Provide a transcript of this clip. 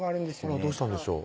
あらどうしたんでしょう